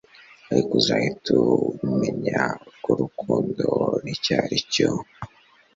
Ariko uzahita ubimenya urwo rukundo nicyo aricyo